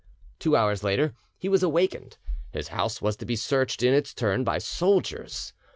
Two hours later he was awakened. His house was to be searched in its turn by soldiers.